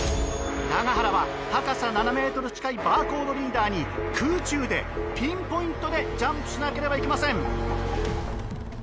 永原は高さ７ｍ近いバーコードリーダーに空中でピンポイントでジャンプしなければいけません。